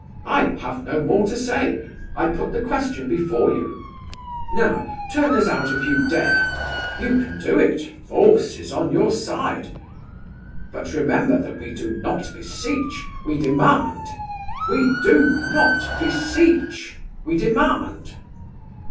I have no more to say—I have put the question before you. Now turn us out if you dare. You can do it; force is on your side. But remember that we do not beseech, we demand! We do not beseech, we demand!"